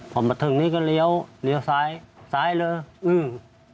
พอมาถึงนี่ก็เลี้ยวเลี้ยวซ้ายซ้ายเลยอืม